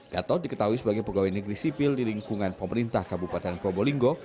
gatot diketahui sebagai pegawai negeri sipil di lingkungan pemerintah kabupaten probolinggo